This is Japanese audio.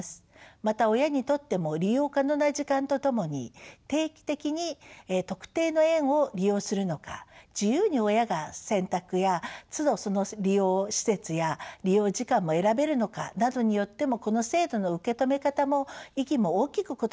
また親にとっても利用可能な時間と共に定期的に特定の園を利用するのか自由に親が選択やつどその利用施設や利用時間も選べるのかなどによってもこの制度の受け止め方も意義も大きく異なると考えられます。